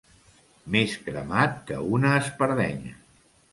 Més cremat que una espardenya.